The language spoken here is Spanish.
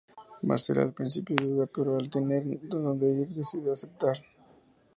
Marcela al principio duda, pero al no tener a donde ir, decide aceptar.